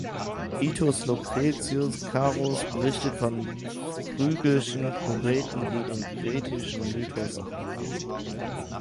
Titus Lucretius Carus berichtet von „Phrygischen Kureten“, die den kretischen Mythos nachahmen.